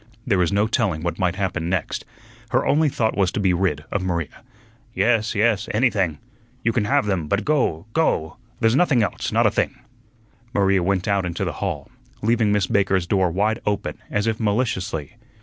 There was no telling what might happen next. Her only thought was to be rid of Maria. "Yes, yes, anything. You can have them; but go, go. There's nothing else, not a thing." Maria went out into the hall, leaving Miss Baker's door wide open, as if maliciously.